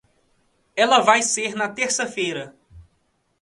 Ela vai ser na terça-feira?